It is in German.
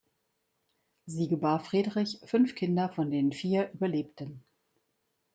Sie gebar Friedrich fünf Kinder, von denen vier überlebten.